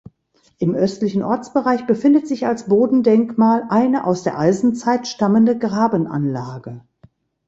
Im östlichen Ortsbereich befindet sich als Bodendenkmal eine aus der Eisenzeit stammende Grabenanlage.